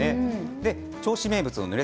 銚子名物のぬれ